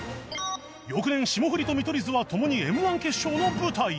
翌年霜降りと見取り図は共に Ｍ−１ 決勝の舞台へ